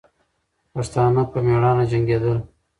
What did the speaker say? پښتانه په میړانه جنګېدل.